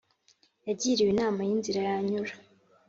Yagiriwe inama y inzira yanyura